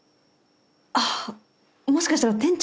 あっもしかしたら店長さんかも。